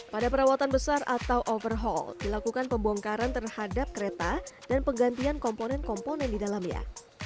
pada perawatan besar atau overhaul dilakukan pembongkaran terhadap kereta dan penggantian komponen komponen di dalamnya